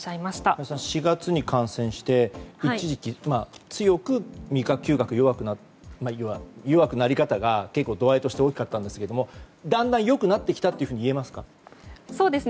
林さんは４月に感染して一時期、強く味覚・嗅覚の弱くなり方が度合いとして大きかったんですけどだんだん良くなってきたといえますか。